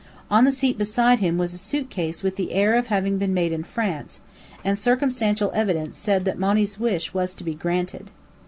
On the seat beside him was a suitcase with the air of having been made in France; and circumstantial evidence said that Monny's wish was to be granted.